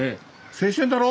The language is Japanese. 「青春だろ」。